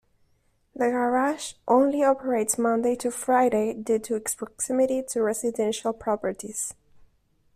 The garage only operates Monday to Friday due to its proximity to residential properties.